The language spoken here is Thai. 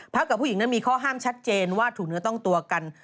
กับผู้หญิงนั้นมีข้อห้ามชัดเจนว่าถูกเนื้อต้องตัวกัน